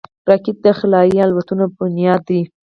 راکټ د خلایي الوتنو بنیاد ده